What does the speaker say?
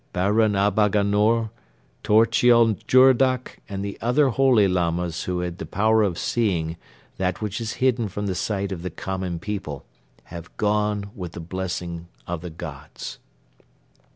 Barun Abaga Nar, Dorchiul Jurdok and the other holy Lamas who had the power of seeing that which is hidden from the sight of the common people have gone with the blessing of the gods."